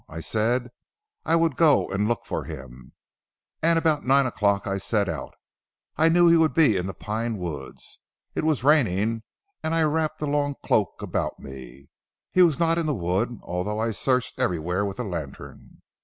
I said I would go and look for him, and about nine o'clock I set out. I knew he would be in the Pine woods. It was raining and I wrapped a long cloak about me. He was not in the wood, although I searched everywhere with a lantern.